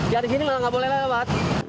yang disini malah gak boleh lewat